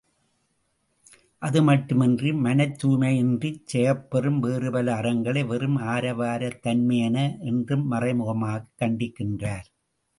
அதுமட்டுமின்றி மனத்துாய்மையின்றிச் செய்யப்பெறும் வேறு பல அறங்களை வெறும் ஆரவாரத்தன்மையன என்றும் மறைமுகமாகக் கண்டிக்கின்றார்.